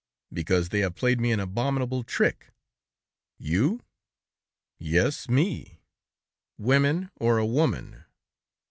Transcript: "Because they have played me an abominable trick." "You?" "Yes, me." "Women, or a woman?"